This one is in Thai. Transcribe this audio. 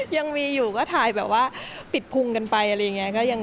ยังมีอยู่ก็ถ่ายแบบว่าปิดพุงกันไปอะไรอย่างนี้